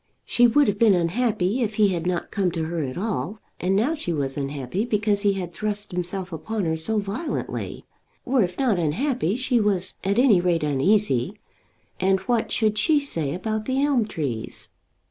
She would have been unhappy if he had not come to her at all, and now she was unhappy because he had thrust himself upon her so violently, or if not unhappy, she was at any rate uneasy. And what should she say about the elm trees?